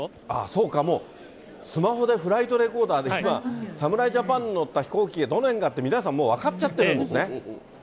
そうか、もうスマホでフライトレコーダーで今、侍ジャパンが乗った飛行機、どの辺かって皆さんもう分かっちゃってるんですね。